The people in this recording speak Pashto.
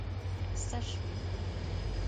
څه شوي.